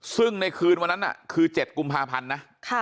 ซึ่งในคืนวันนั้นคือ๗กุมภาพันธ์นะ